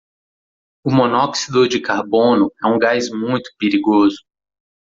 O monóxido de carbono é um gás muito perigoso.